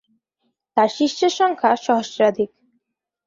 তার শিষ্যের সংখ্যা সহস্রাধিক।